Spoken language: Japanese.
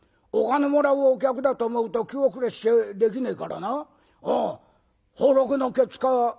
お金もらうお客だと思うと気後れしてできねえからな焙烙のけつから。